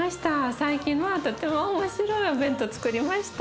最近はとっても面白いお弁当つくりました。